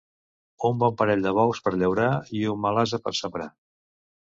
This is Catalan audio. Un bon parell de bous per llaurar i un mal ase per sembrar.